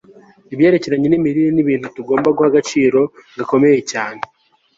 ibyerekeranye n'imirire ni ibintu tugomba guha agaciro gakomeye cyane